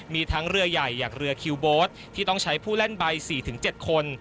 มีทั้งเรือใหญ่อย่างเรือคิวโบ๊ทที่ต้องใช้ผู้เล่นใบ๔๗คน